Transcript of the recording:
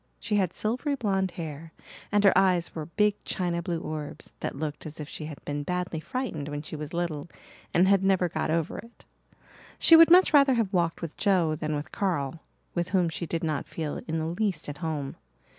She had silvery blonde hair and her eyes were big china blue orbs that looked as if she had been badly frightened when she was little and had never got over it. She would much rather have walked with Joe than with Carl, with whom she did not feel in the least at home.